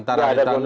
tidak ada koneksi